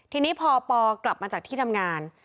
ทีนี้พอปอกลับมาจากที่ทำงาน